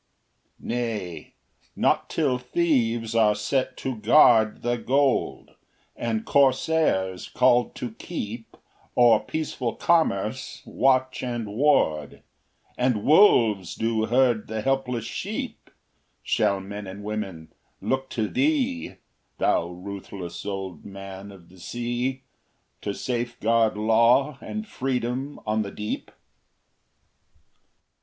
III Nay, not till thieves are set to guard The gold, and corsairs called to keep O'er peaceful commerce watch and ward And wolves do herd the helpless sheep, Shall men and women look to thee, Thou ruthless Old Man of the Sea, To safeguard law and freedom on the deep!